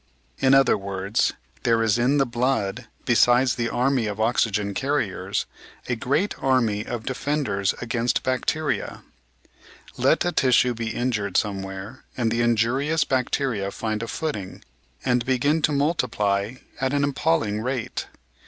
In other words, there is in the blood, besides the army of oxygen carriers, a great army of defenders against bacteria. Let a tissue be injured somewhere, and the injurious bacteria find a footing and begin to multiply at an appalling rate.